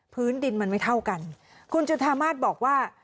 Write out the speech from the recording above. พื้นดินมันไม่เท่ากันคุณจุธามาศบอกว่า